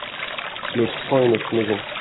Notre sang et notre maison.